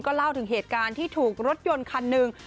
เล่าถึงเหตุการณ์ที่ถูกรถยนต์คันหนึ่ง